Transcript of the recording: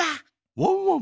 ワンワン！